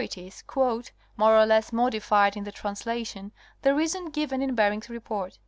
ties quote, more or less modified in the translation, the reasons given ~ in Bering's report.